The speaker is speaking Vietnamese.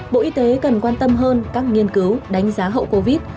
bộ y tế cần quan tâm hơn các nghiên cứu đánh giá hậu covid